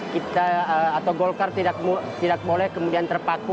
kita atau golkar tidak boleh kemudian terpaku